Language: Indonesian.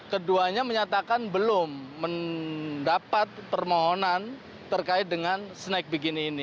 keduanya menyatakan belum mendapat permohonan terkait dengan snack begini ini